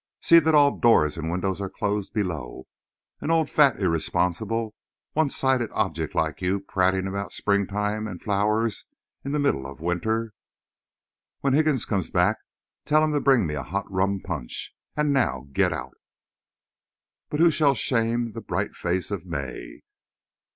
See that all doors and windows are closed below. An old, fat, irresponsible, one sided object like you prating about springtime and flowers in the middle of winter! When Higgins comes back, tell him to bring me a hot rum punch. And now get out!" But who shall shame the bright face of May?